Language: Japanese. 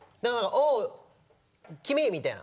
「おう！君」みたいな。